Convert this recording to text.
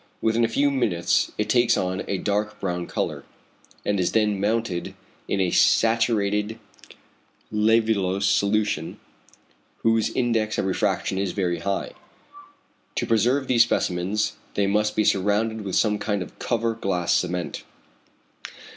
Within a few minutes it takes on a dark brown colour, and is then mounted in a saturated lævulose solution, whose index of refraction is very high. To preserve these specimens they must be surrounded with some kind of cover glass cement.